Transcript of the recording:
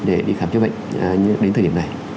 để đi khám chữa bệnh đến thời điểm này